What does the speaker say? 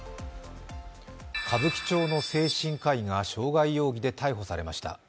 歌舞伎町の精神科医が傷害容疑で逮捕されました。